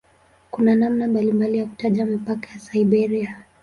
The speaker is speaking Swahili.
Kuna namna mbalimbali ya kutaja mipaka ya "Siberia".